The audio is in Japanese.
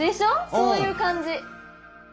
そういう感じ。